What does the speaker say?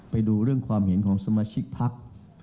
ไปดูเรื่องความเห็นของสมาชิกพัก